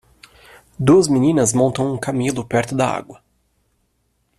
Duas meninas montam um camelo perto da água.